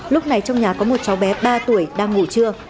lúc này trong nhà có một cháu bé ba tuổi đang ngủ trưa